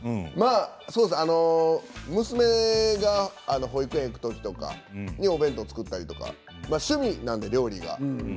娘が保育園に行く時とかにお弁当作ったりとか趣味なので、料理が。